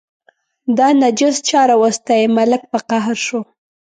دا نجس چا راوستی، ملک په قهر شو.